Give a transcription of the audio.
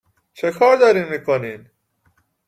چیکار دارین می کنین ؟